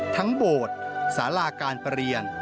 โบสถ์สาราการประเรียน